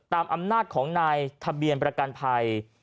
อำนาจของนายทะเบียนประกันภัย